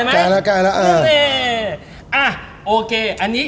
กลัวแทนเลยไหม